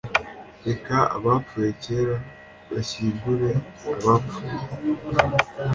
reka abapfuye kera bashyingure abapfuye!